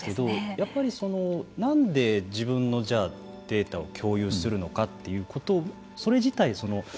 やっぱりなんで自分のデータを共有するのかということそれ自体